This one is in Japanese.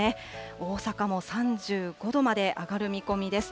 大阪も３５度まで上がる見込みです。